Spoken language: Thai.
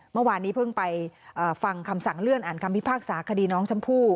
เมื่อวานนี้เพิ่งไปฟังคำสั่งเลื่อนอ่านคำพิพากษาคดีน้องชมพู่